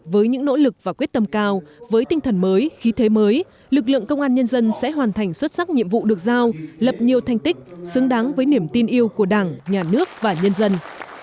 với những nỗ lực và quyết tâm cao với tinh thần mới khí thế mới lực lượng công an nhân dân sẽ hoàn thành xuất sắc nhiệm vụ được giao lập nhiều thành tích xứng đáng với niềm tin yêu của đảng nhà nước và nhân dân